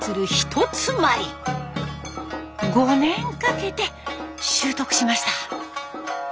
５年かけて習得しました。